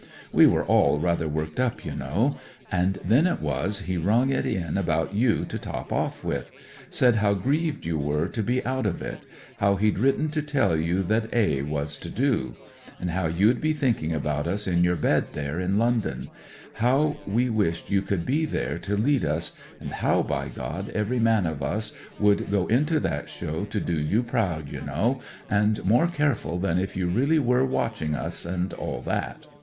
We were all rather worked up, you know. And then it was he rung it in about you to top off with ; said how grieved you were to be out of it ; how he'd written to tell you what * A ' was to do ; how you'd be thinking about us in your bed there in London; how we wished you could be there to lead us, and how, by God, every man of us would go into that show to do you proud, you know, and more careful than if you really were watching us, and all that.